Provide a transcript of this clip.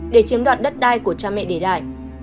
để chiếm đoạt đất đai của cha mẹ để lại